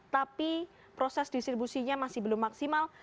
tapi proses distribusinya masih belum maksimal